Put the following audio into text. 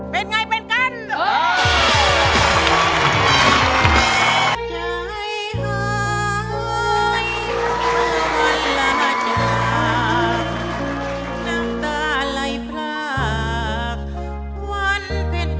เป็นไงเป็นกัน